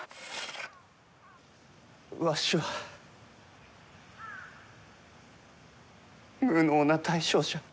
わしは無能な大将じゃ。